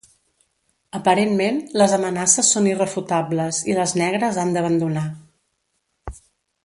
Aparentment, les amenaces són irrefutables i les negres han d'abandonar.